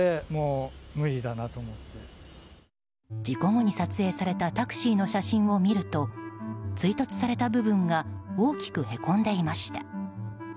事故後に撮影されたタクシーの写真を見ると追突された部分が大きくへこんでいました。